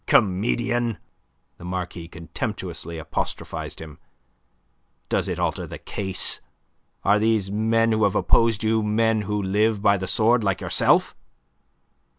"Comedian!" the Marquis contemptuously apostrophized him. "Does it alter the case? Are these men who have opposed you men who live by the sword like yourself?"